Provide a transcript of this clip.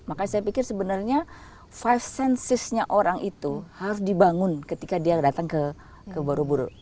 maka saya pikir sebenarnya five senses nya orang itu harus dibangun ketika dia datang ke buru buru